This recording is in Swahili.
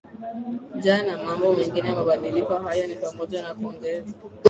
ja na mambo mengine mabandiliko hayo ni pamoja na kuongezwa